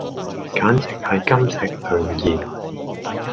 簡直係金石良言